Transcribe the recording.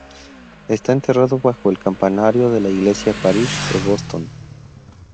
Está enterrado bajo el campanario de la iglesia Parish de Boston.